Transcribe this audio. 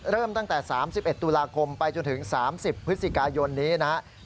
เริ่มตั้งแต่๓๑ตุลาคมไปจนถึง๓๐พฤศจิกายนนี้นะครับ